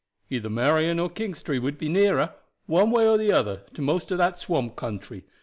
"Either Marion or Kingstree would be nearer, one way or the other, to most of the swamp country.